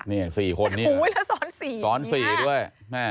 แต่ขี่มอเตอร์ไซต์สอน๔ด้วย